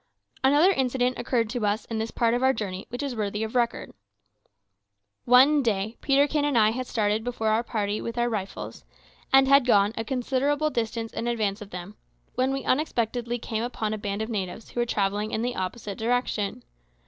Another incident occurred to us in this part of our journey which is worthy of record. One day Peterkin and I had started before our party with our rifles, and had gone a considerable distance in advance of them, when we unexpectedly came upon a band of natives who were travelling in an opposite direction.